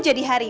awas dia nyari